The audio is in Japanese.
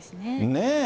ねえ。